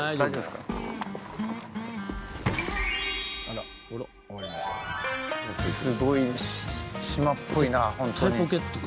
すごい島っぽいな、本当に。